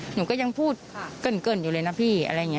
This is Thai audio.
หนูก็ยังพูดเกินอยู่เลยนะพี่อะไรอย่างนี้